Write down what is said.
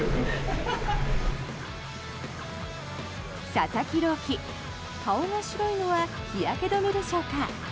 佐々木朗希、顔が白いのは日焼け止めでしょうか。